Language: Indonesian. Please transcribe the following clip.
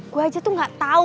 gue aja tuh gak tahu